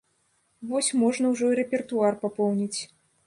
Вось можна ўжо і рэпертуар папоўніць.